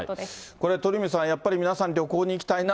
これ、鳥海さん、やっぱり皆さん旅行に行きたいな、